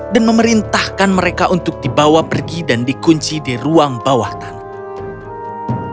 dan memerintahkan mereka untuk dibawa pergi dan dikunci di ruang bawah tanah